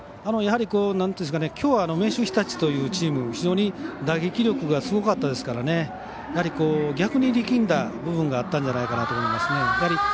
やはり、きょう明秀日立というチーム非常に打撃力がすごかったですからねやはり逆に力んだ部分があったんじゃないかと思いますね。